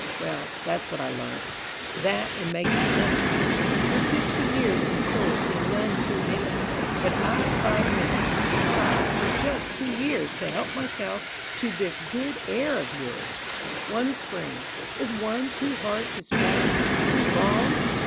Well, that's what I learnt. That, and making money. Your fifty years in store seem none too many; But I've five minutes. God! For just two years To help myself to this good air of yours! One Spring! Is one too hard to spare? Too long?